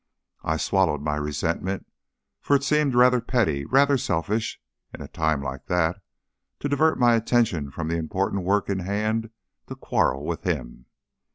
I swallowed my resentment, for it seemed rather petty, rather selfish, in a time like that, to divert my attention from the important work in hand to quarrel with him.